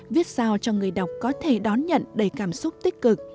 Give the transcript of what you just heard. viết sao cho người đọc có thể đón nhận đầy cảm xúc tích cực